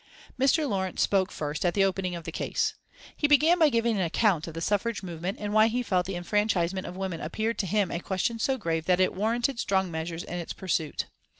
Mr. Lawrence spoke first at the opening of the case. He began by giving an account of the suffrage movement and why he felt the enfranchisement of women appeared to him a question so grave that it warranted strong measures in its pursuit.